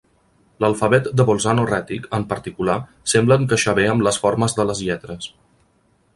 L'alfabet de Bolzano rètic en particular, sembla encaixar bé amb les formes de les lletres.